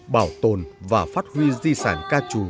bảo tồn và phát huy di sản ca trù